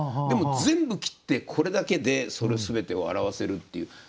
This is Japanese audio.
でも全部切ってこれだけでその全てを表せるっていう。